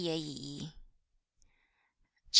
CHAP.